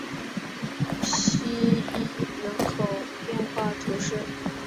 希伊人口变化图示